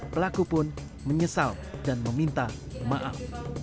pelaku pun menyesal dan meminta maaf